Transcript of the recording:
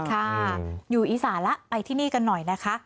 ค่ะอยู่อีสานแล้วไปที่นี่กันหน่อยนะคะ